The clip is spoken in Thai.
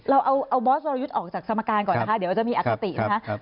เราเอาบอสวรยุทธ์ออกจากสมการก่อนนะคะเดี๋ยวจะมีอคตินะคะ